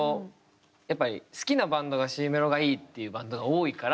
やっぱり好きなバンドがＣメロがいいっていうバンドが多いから。